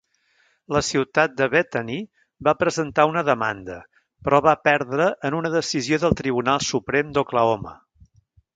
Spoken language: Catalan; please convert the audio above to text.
La ciutat de Bethany va presentar una demanda, però va perdre en una decisió del Tribunal Suprem d'Oklahoma.